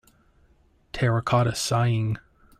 Terracotta Sighing.